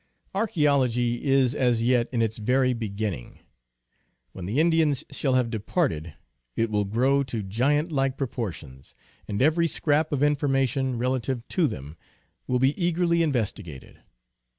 Ar chaeology is as yet in its very beginning ; when the Indians shall have departed it will grow to giant like proportions, and every scrap of information relative to them will be eagerly investigated.